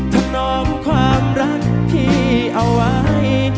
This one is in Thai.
ทำนองความรักที่เอาไว้